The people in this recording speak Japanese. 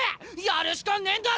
やるしかねえんだ！